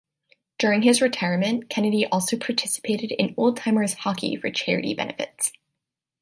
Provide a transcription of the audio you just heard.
During his retirement, Kennedy also participated in Old-Timers hockey for charity benefits.